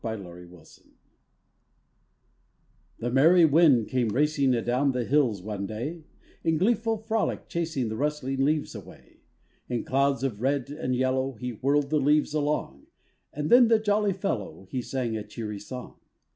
THE MERRY WIND The merry wind came racing Adown the hills one day, In gleeful frolic chasing The rustling leaves away. In clouds of red and yellow, He whirled the leaves along, And then the jolly fellow He sang a cheery song.